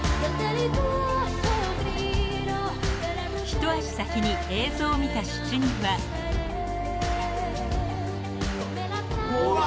［一足先に映像を見た７人は］うわ！